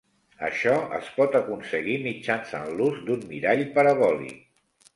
Això es pot aconseguir mitjançant l'ús d'un mirall parabòlic.